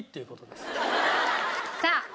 さあ！